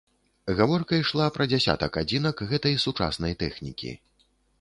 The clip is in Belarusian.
Гаворка ішла пра дзясятак адзінак гэтай сучаснай тэхнікі.